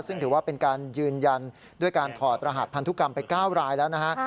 ซึ่งถือว่าเป็นการยืนยันด้วยการถอดรหัสพันธุกรรมไป๙รายแล้วนะฮะ